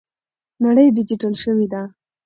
نړۍ ډیجیټل شوې ده.